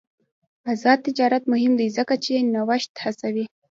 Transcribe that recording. آزاد تجارت مهم دی ځکه چې نوښت هڅوي.